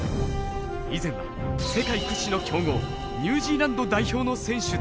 以前は世界屈指の強豪ニュージーランド代表の選手でした。